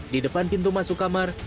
di depan pintu masuk kamar